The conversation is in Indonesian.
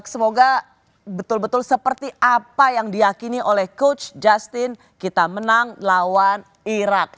semoga betul betul seperti apa yang diakini oleh coach justin kita menang lawan irak